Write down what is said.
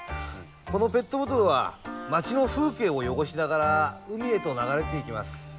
このペットボトルは街の風景を汚しながら海へと流れていきます。